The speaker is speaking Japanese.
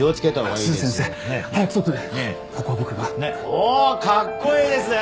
おおかっこいいですね